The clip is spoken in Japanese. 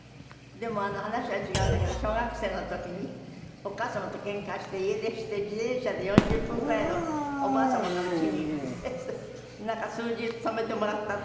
でも話は違うんだけど小学生の時にお母様とけんかして家出して自転車で４０分くらいのおばあ様のうちに行ってなんか数日泊めてもらった。